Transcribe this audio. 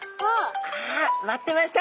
あ！あっ待ってました